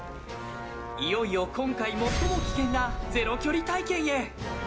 いよいよ、今回最も危険なゼロ距離体験へ。